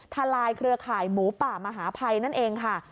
ลายเครือข่ายหมูป่ามหาภัยนั่นเองค่ะ